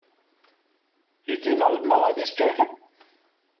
You do not admire this jacket?